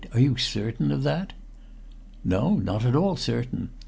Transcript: Are you certain of that?" "No, not at all certain.